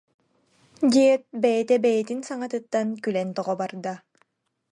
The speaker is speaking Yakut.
диэт, бэйэтэ-бэйэтин саҥатыттан күлэн тоҕо барда